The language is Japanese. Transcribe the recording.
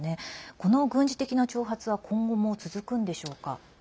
この軍事的な挑発は今後も続くんでしょうか？